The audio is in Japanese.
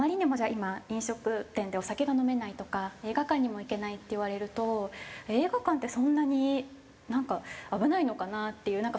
今飲食店でお酒が飲めないとか映画館にも行けないっていわれると映画館ってそんなになんか危ないのかな？っていうなんか